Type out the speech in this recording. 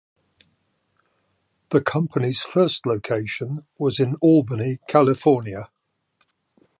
The company's first location was in Albany, California.